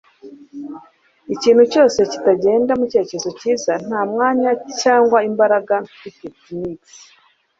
ikintu cyose kitagenda mu cyerekezo cyiza, nta mwanya cyangwa imbaraga mfite. - dmx